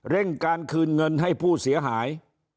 เร่งการคืนเงินให้ผู้เสียหาย